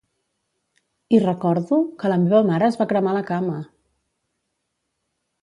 I recordo que la meva mare es va cremar la cama!